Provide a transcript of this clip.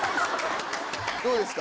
・どうですか？